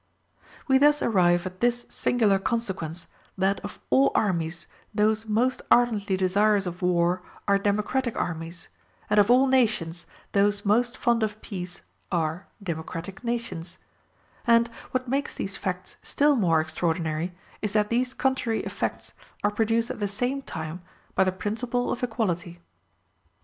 We thus arrive at this singular consequence, that of all armies those most ardently desirous of war are democratic armies, and of all nations those most fond of peace are democratic nations: and, what makes these facts still more extraordinary, is that these contrary effects are produced at the same time by the principle of equality.